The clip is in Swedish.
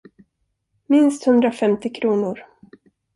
Minst hundrafemtio kronor.